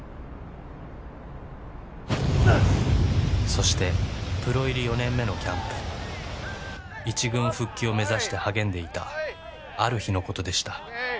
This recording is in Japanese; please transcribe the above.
そしてプロ入り４年目のキャンプ一軍復帰を目指して励んでいたある日のことでした